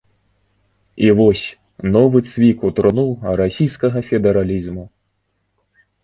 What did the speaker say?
І вось новы цвік у труну расійскага федэралізму.